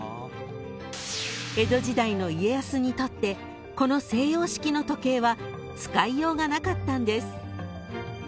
［江戸時代の家康にとってこの西洋式の時計は使いようがなかったんです］